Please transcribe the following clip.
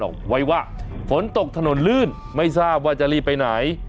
ไว้ว่าฝนตกถนนลื่นไม่ทราบว่าจะรีบไปไหน